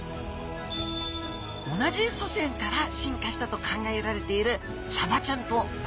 同じ祖先から進化したと考えられているサバちゃんとマグロちゃん。